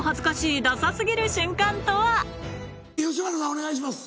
お願いします。